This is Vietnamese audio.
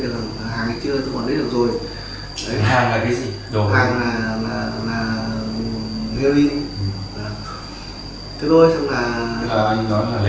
đấy xong là khi đó là trôi bín vào trong cái này